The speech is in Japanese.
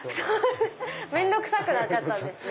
面倒くさくなっちゃったんですね。